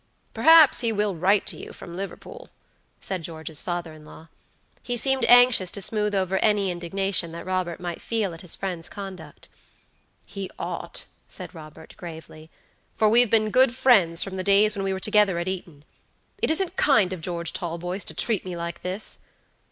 "Perhaps he will write to you from Liverpool," said George's father in law. He seemed anxious to smooth over any indignation that Robert might feel at his friend's conduct. "He ought," said Robert, gravely, "for we've been good friends from the days when we were together at Eton. It isn't kind of George Talboys to treat me like this."